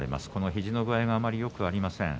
肘の状態があまりよくありません。